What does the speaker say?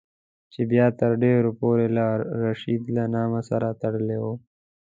چې بیا تر ډېرو پورې له رشید له نامه سره تړلی وو.